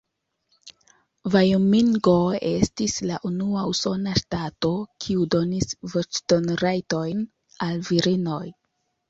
Vajomingo estis la unua usona ŝtato, kiu donis voĉdon-rajtojn al virinoj.